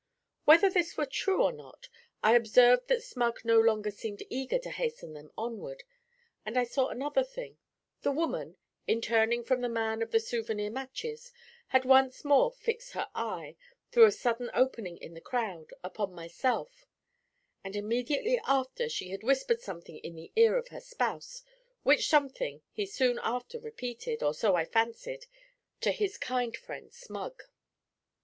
Whether this were true or not, I observed that Smug no longer seemed eager to hasten them onward, and I saw another thing the woman, in turning from the man of the souvenir matches, had once more fixed her eye, through a sudden opening in the crowd, upon myself; and immediately after she had whispered something in the ear of her spouse, which something he soon after repeated, or so I fancied, to his kind friend Smug.